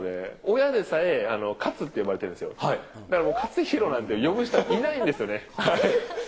親でさえ、カツって呼ばれてるんですよ、かつひろなんて呼ぶ人いないんですよね。